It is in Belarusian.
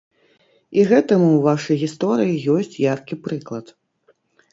І гэтаму ў вашай гісторыі ёсць яркі прыклад.